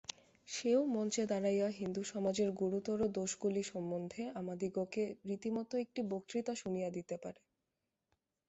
সেও মঞ্চে দাঁড়াইয়া হিন্দুসমাজের গুরুতর দোষগুলি সম্বন্ধে আমাদিগকে রীতিমত একটি বক্তৃতা শুনিয়া দিতে পারে।